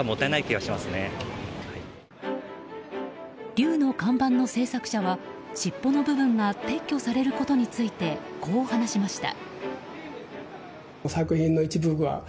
龍の看板の制作者は尻尾の部分が撤去されることについてこう話しました。